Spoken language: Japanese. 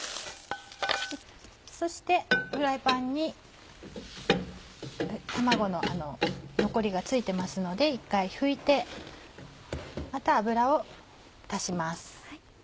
そしてフライパンに卵の残りが付いてますので一回拭いてまた油を足します。